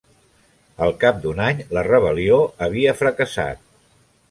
Al cap d'un any la rebel·lió havia fracassat.